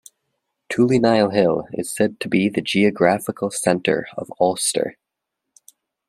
Tullyneil hill is said to be the geographical centre of Ulster.